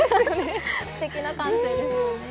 すてきな感性ですよね。